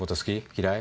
嫌い？